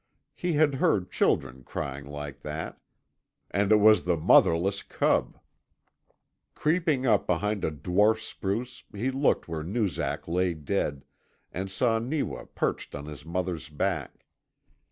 He had heard children crying like that; and it was the motherless cub! Creeping up behind a dwarf spruce he looked where Noozak lay dead, and saw Neewa perched on his mother's back.